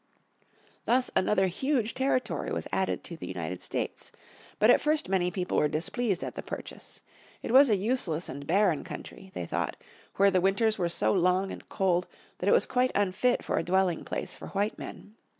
Thus another huge territory was added to the United States. But at first many people were displeased at the purchase. It was a useless and barren country, they thought, where the winters were so long and cold that it was quite unfit for a dwelling place for white men.